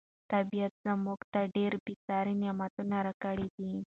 طبیعت موږ ته ډېر بې ساري نعمتونه راکړي دي.